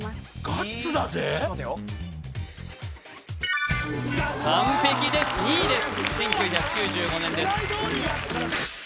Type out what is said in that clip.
完璧です２位です１９９５年です狙いどおり！